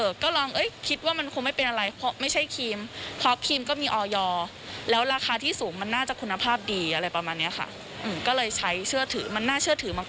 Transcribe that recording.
ดีอะไรประมาณนี้ค่ะก็เลยใช้เชื่อถือมันน่าเชื่อถือมาก